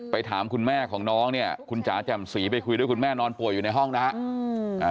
ถามคุณแม่ของน้องเนี่ยคุณจ๋าแจ่มสีไปคุยด้วยคุณแม่นอนป่วยอยู่ในห้องนะครับ